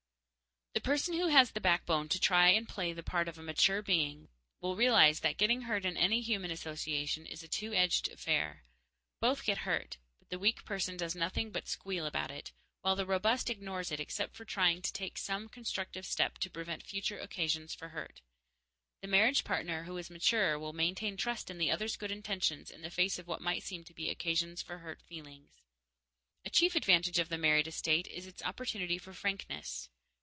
The person who has the backbone to try to play the part of a mature being will realize that getting hurt in any human association is a two edged affair. Both get hurt, but the weak person does nothing but squeal about it, while the robust ignores it except for trying to take some constructive step to prevent future occasions for hurt. The marriage partner who is mature will maintain trust in the other's good intentions in the face of what might seem to be occasions for hurt feelings. A chief advantage of the married estate is its opportunity for frankness.